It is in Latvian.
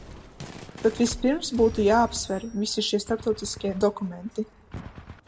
Bet vispirms būtu jāapsver visi šie starptautiskie dokumenti.